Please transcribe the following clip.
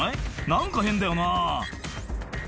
「何か変だよな」